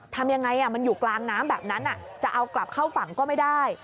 ทำยังไงมันอยู่กลางน้ำแบบนั้นจะเอากลับเข้าฝั่งก็ไม่ได้